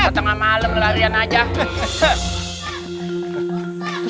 setengah malem larian aja